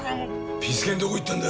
ピス健どこ行ったんだ。